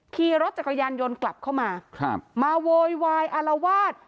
ขี่รถจักรยานยนต์กลับเข้ามาครับมาโวยวายอารวาส